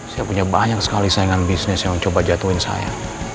saya punya banyak sekali saingan bisnis yang coba jatuhin saya